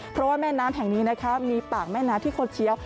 เพราะว่าแม่น้ำแห่งนี้นะคะมีปากแม่น้ำที่คดเคี้ยว